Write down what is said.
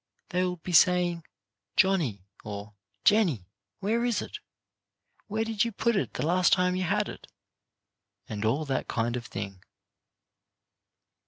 They will be saying, ''Johnnie, " or " Jennie, where is it? Where did you put it the last time you had it?" and all that kind of thing.